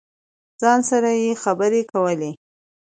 ځان سره یې خبرې کولې.